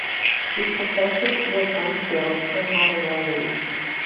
The profession was unskilled and had a low wage.